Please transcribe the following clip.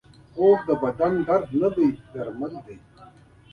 خوب د بدن درد ته درمل دی